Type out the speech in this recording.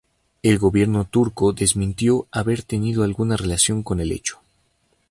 El gobierno turco desmintió haber tenido alguna relación con el hecho.